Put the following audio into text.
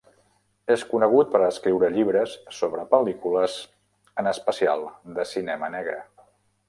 És conegut per escriure llibres sobre pel·lícules, en especial de cinema negre.